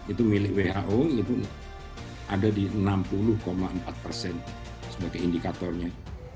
itu milik who itu ada di enam puluh empat persen sebagai indikatornya